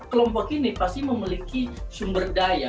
kelompok ini pasti memiliki sumber daya